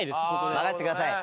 任せてください。